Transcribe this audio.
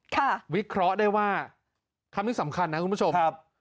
วิเคราะห์ได้ว่าคำนี้สำคัญนะคุณผู้ชมครับ